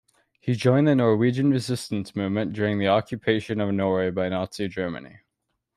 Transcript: He joined the Norwegian resistance movement during the occupation of Norway by Nazi Germany.